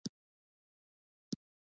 مېلمه ته د انسانیت پر بنسټ چلند وکړه.